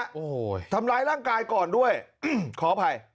โอ้โหทำร้ายร่างกายก่อนด้วยอืมขออภัย